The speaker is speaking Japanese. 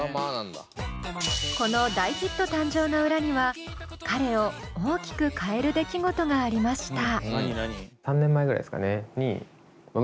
この大ヒット誕生の裏には彼を大きく変える出来事がありました。